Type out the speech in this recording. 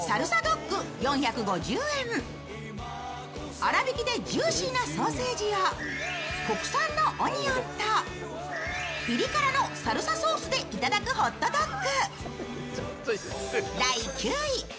粗びきでジューシーなソーセージを国産のオニオンとピリ辛のサルサソースで頂くホットドッグ。